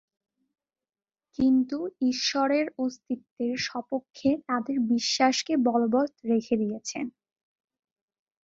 কিন্তু ঈশ্বরের অস্তিত্বের স্বপক্ষে তাদের বিশ্বাসকে বলবৎ রেখে দিয়েছেন।